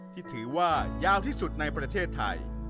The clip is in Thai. ที่ถือว่ายาวที่สุดในประเทศไทย